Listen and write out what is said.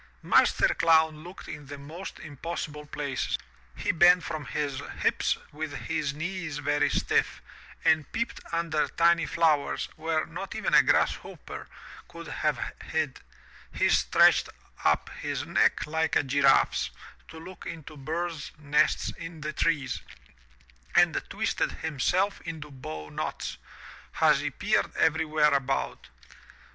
Master Clown looked in the most impossible places, he bent from his hips with his knees very stiff, and peeped under tiny flowers where not even a grasshopper could have hid, he stretched up his neck like a giraffe's, to look into bird's nests in the trees, and twisted himself into^ bowknots as he peered everywhere about.